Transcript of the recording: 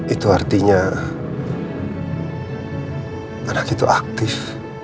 itu artinya anak itu aktif